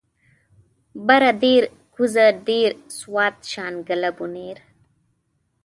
بره دير کوزه دير سوات شانګله بونير